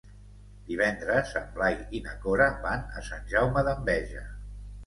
Divendres en Blai i na Cora van a Sant Jaume d'Enveja.